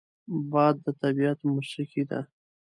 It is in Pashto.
باد د طبیعت موسیقي ده